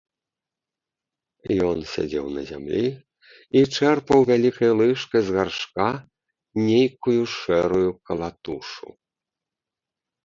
Ён сядзеў на зямлі і чэрпаў вялікай лыжкай з гаршка нейкую шэрую калатушу.